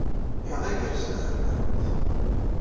Iḍ igerrzen a tameddakelt!